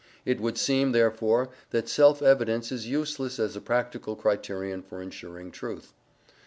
It would seem, therefore, that self evidence is useless as a practical criterion for insuring truth.